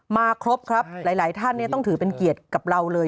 ครบครับหลายท่านต้องถือเป็นเกียรติกับเราเลย